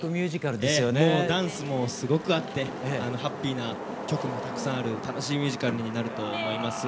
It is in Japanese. ダンスもすごくあってハッピーな曲もたくさんある楽しいミュージカルになると思います。